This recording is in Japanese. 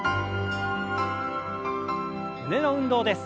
胸の運動です。